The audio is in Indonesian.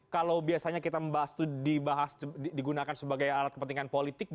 kalau biasanya kita membahas itu dibahas digunakan sebagai alat kepentingan politik